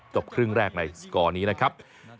ครึ่งแรกในสกอร์นี้นะครับ